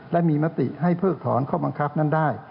และมีมติให้เพิกถอนข้อบังคับนั้นได้